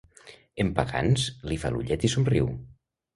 En Pagans li fa l'ullet i somriu.